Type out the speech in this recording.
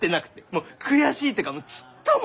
もう悔しいとかちっとも！